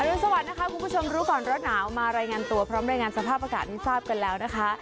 รุนสวัสดินะคะคุณผู้ชมรู้ก่อนร้อนหนาวมารายงานตัวพร้อมรายงานสภาพอากาศให้ทราบกันแล้วนะคะ